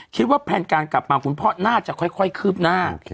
คิดว่าแผนการกลับพอคุณพ่อน่าจะค่อยคืบหน้า